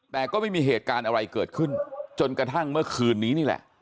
แต่ก็ไม่มีเหตุการณ์อะไรเกิดขึ้นจนกระทั่งเมื่อคืนนี้นี่แหละ